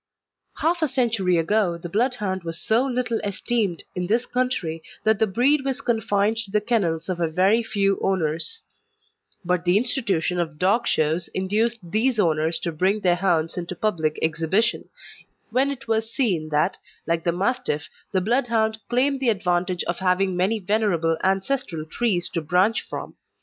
Half a century ago the Bloodhound was so little esteemed in this country that the breed was confined to the kennels of a very few owners; but the institution of dog shows induced these owners to bring their hounds into public exhibition, when it was seen that, like the Mastiff, the Bloodhound claimed the advantage of having many venerable ancestral trees to branch from.